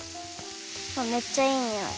めっちゃいいにおい。